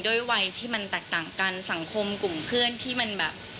วัยที่มันแตกต่างกันสังคมกลุ่มเพื่อนที่มันแบบ